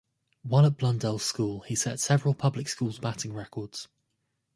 While at Blundell's School, he set several public school's batting records.